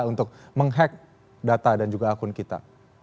untuk menghack data dan juga akun kita